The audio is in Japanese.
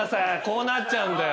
こうなっちゃうんで。